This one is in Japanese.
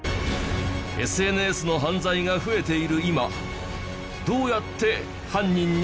ＳＮＳの犯罪が増えている今どうやって犯人にたどり着く？